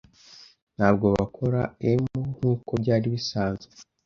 Ntabwo bakora 'em nkuko byari bisanzwe.